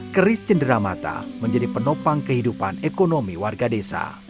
keris cenderamata menjadi penopang kehidupan ekonomi warga desa